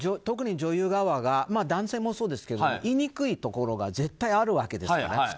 特に女優側は男性もそうですけど言いにくいところが絶対にあるわけですよ。